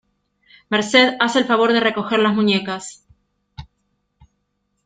Merced, ¡haz el favor de recoger las muñecas!